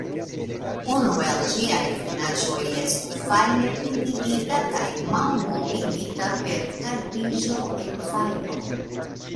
Unu el ĝiaj finaĵoj estu fajne pintigita kaj malmoligita per karbiĝo en fajro.